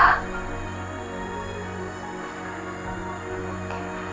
kamu harus berubah